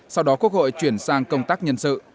sau đó quốc hội chuyển sang công tác nhân sự